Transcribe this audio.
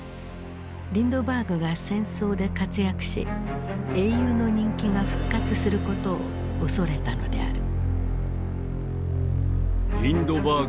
リンドバーグが戦争で活躍し英雄の人気が復活することを恐れたのである。